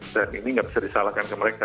dan ini enggak bisa disalahkan ke mereka